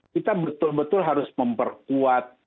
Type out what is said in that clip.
kita betul betul harus memperkuat